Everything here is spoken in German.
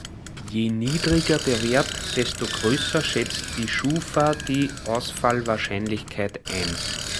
Je niedriger der Wert, desto größer schätzt die Schufa die Ausfallwahrscheinlichkeit ein.